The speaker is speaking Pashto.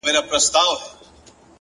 هره پوښتنه د کشف پیل دی!.